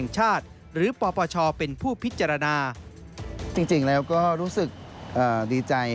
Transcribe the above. จริงแล้วก็รู้สึกดีใจ